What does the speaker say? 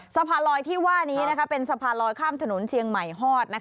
สะพานลอยที่ว่านี้เป็นสะพานลอยข้ามถนนเชียงใหม่ฮอด